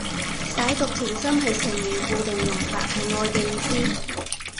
舐犢情深係成語，固定用法，係愛嘅意思